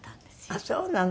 あっそうなの。